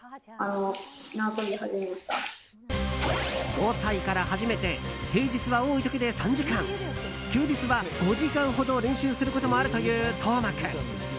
５歳から始めて平日は多い時で３時間休日は５時間ほど練習することもあるという橙真君。